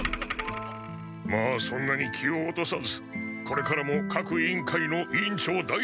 まあそんなに気を落とさずこれからも各委員会の委員長代理として。